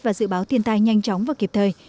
và dự báo thiên tai nhanh chóng và kịp thời